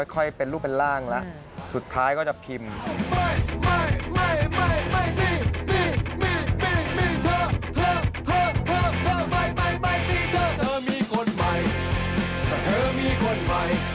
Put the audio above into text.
ค่อยเป็นรูปเป็นร่างแล้วสุดท้ายก็จะพิมพ์